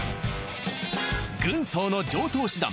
軍曹の常とう手段！